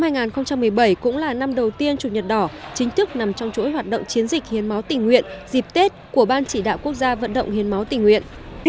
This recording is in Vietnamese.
năm hai nghìn một mươi bảy cũng là năm đầu tiên chủ nhật đỏ chính thức nằm trong chuỗi hoạt động chiến dịch hiến máu tình nguyện dịp tết của ban chỉ đạo quốc gia vận động hiến máu tình nguyện